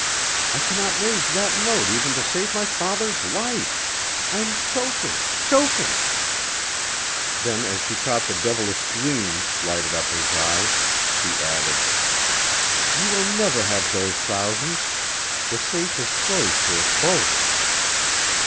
I cannot raise that note even to save my father's life. I'm choking, choking." Then as she caught the devilish gleam lighting up his eye, she added, "You will never have those thousands! The safe is closed to us both."